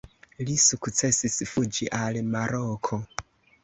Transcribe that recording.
Li sukcesis fuĝi al Maroko.